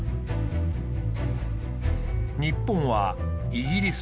日本はイギリス